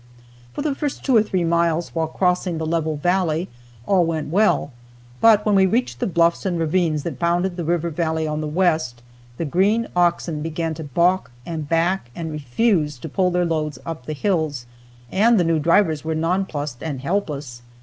For the first two or three miles, while crossing the level valley, all went well, but when we reached the bluffs and ravines that bounded the river valley on the west, the green oxen began to balk and back and refused to pull their loads up the hills, and the new drivers were nonplused and helpless.